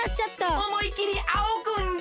おもいきりあおぐんじゃ！